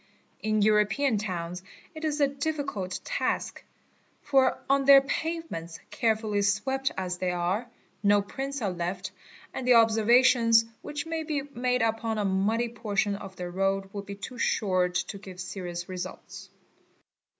In European towns it is a difficult task, for on their pavements, carefully swept as they are, no prints are left and the observations which may be made upon a muddy portion of the road would be too short t¢ give serious results.